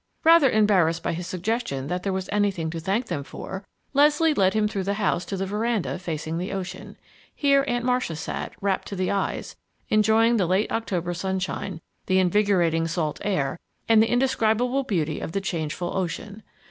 Rather embarrassed by his suggestion that there was anything to thank them for, Leslie led him through the house to the veranda facing the ocean. Here Aunt Marcia sat, wrapped to the eyes, enjoying the late October sunshine, the invigorating salt air, and the indescribable beauty of the changeful ocean.